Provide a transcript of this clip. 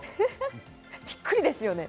びっくりですよね。